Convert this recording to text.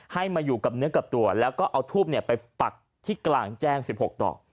มาอยู่กับเนื้อกับตัวแล้วก็เอาทูบไปปักที่กลางแจ้ง๑๖ดอก